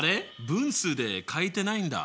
分数で書いてないんだ。